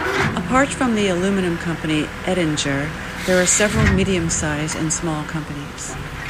Apart from the aluminium company "Oettinger", there are several medium-size and small companies.